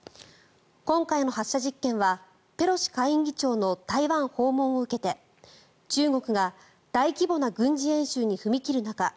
今回の発射実験はペロシ下院議長の台湾訪問を受けて中国が大規模な軍事演習に踏み切る中